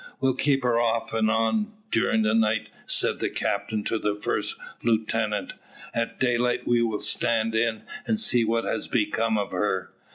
"We'll keep her off and on during the night," said the captain to the first lieutenant. "At daylight we will stand in, and see what has become of her.